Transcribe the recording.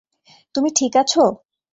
তুমি ঠিক আছো?